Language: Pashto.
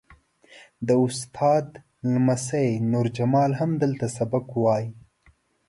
د استاد لمسی نور جمال هم دلته سبق وایي.